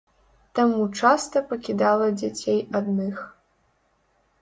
Таму часта пакідала дзяцей адных.